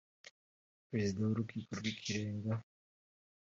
Perezida w’Urukiko rw’Ikirenga